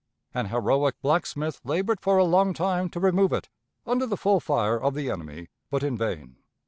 An heroic blacksmith labored for a long time to remove it, under the full fire of the enemy, but in vain.